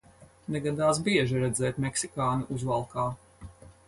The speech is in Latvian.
Negadās bieži redzēt meksikāni uzvalkā.